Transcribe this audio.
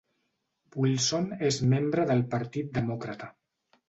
Wilson és membre del Partit Demòcrata.